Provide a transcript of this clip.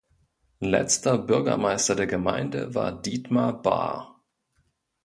Letzter Bürgermeister der Gemeinde war Dietmar Bahr.